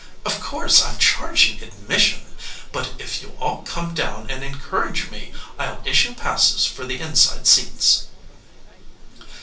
"Of course I'm charging admission, but if you'll all come down and encourage me I'll issue passes for the inside seats."